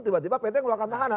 tiba tiba pt mengeluarkan tahanan